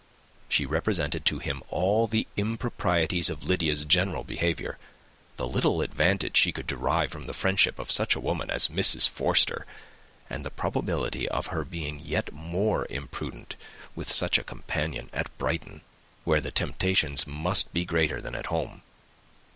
She represented to him all the improprieties of Lydia's general behaviour, the little advantage she could derive from the friendship of such a woman as Mrs. Forster, and the probability of her being yet more imprudent with such a companion at Brighton, where the temptations must be greater than at home.